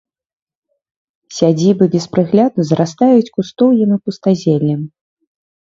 Сядзібы без прыгляду зарастаюць кустоўем і пустазеллем.